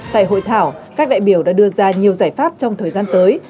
tại hội thảo các đại biểu đã đưa ra nhiều giải pháp trong thời gian tới